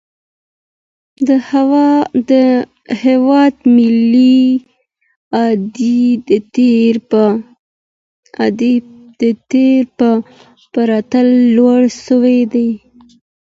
د هيواد ملي عايد د تېر په پرتله لوړ سوى دى.